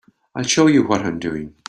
I'll show you what I'm doing.